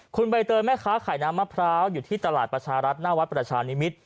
คุณใบเตยแม่ค้าขายน้ำมะพร้าวอยู่ที่ตลาดประชารัฐหน้าวัดประชานิมิตร